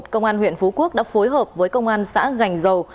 công an huyện phú quốc đã phối hợp với công an xã gành dầu